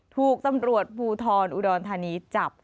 ถูกตำรวจภูทรอุดรธานีจับ